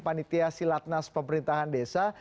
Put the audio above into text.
panitia silatnas pemerintahan desa